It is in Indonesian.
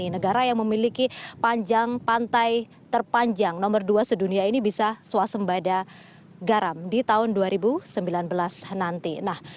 negara yang memiliki panjang pantai terpanjang nomor dua sedunia ini bisa swasembada garam di tahun dua ribu sembilan belas nanti